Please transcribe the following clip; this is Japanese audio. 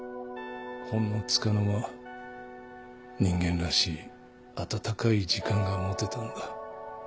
ほんのつかの間人間らしい温かい時間が持てたんだ。